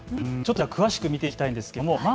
ちょっと詳しく見ていきたいですけれども。